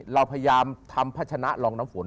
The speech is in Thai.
เราพยายามทำพัชนะลองน้ำฝน